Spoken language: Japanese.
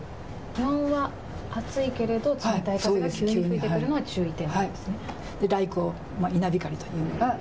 気温は暑いけれど冷たい風が急に吹いてくるのが注意点。